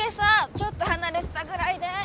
ちょっと離れてたぐらいで！